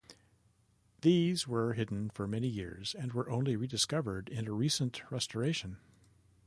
These were hidden for many years and were only rediscovered in a recent restoration.